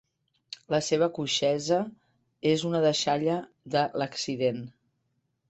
La seva coixesa és una deixalla de l'accident.